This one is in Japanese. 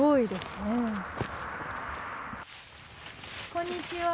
こんにちは。